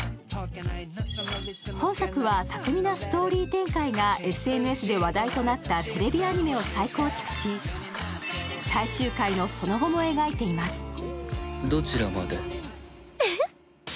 本作は巧みなストーリー展開がＳＮＳで話題となったテレビアニメを再構築し、最終回のその後も描いています。